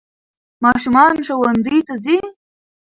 ماشومان ښونځي ته ځي